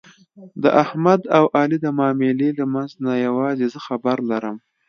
د احمد او علي د معاملې له منځ نه یووازې زه خبر لرم.